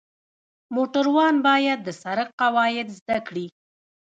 د موټروان باید د سړک قواعد زده کړي.